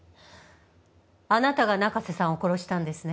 あなたが中瀬さんを殺したんですね。